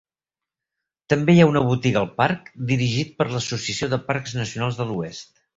També hi ha una botiga al parc dirigit per l'Associació de Parcs Nacionals de l'Oest.